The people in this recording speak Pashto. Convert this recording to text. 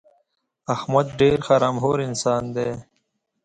احمد ډېر حرام خور انسان دی.